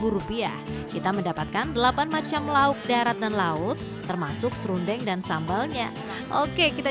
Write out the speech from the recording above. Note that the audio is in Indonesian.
rupiah kita mendapatkan delapan macam lauk darat dan laut termasuk serundeng dan sambalnya oke kita